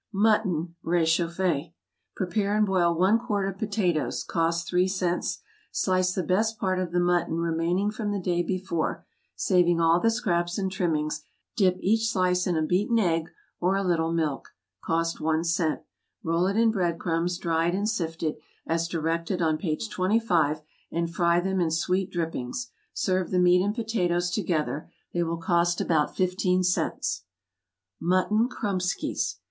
=Mutton= rechauffée. Prepare and boil one quart of potatoes, (cost three cents;) slice the best part of the mutton remaining from the day before, saving all the scraps and trimmings, dip each slice in a beaten egg, or a little milk, (cost one cent,) roll it in bread crumbs, dried and sifted, as directed on page 25, and fry them in sweet drippings. Serve the meat and potatoes together; they will cost about fifteen cents. =Mutton Kromeskys.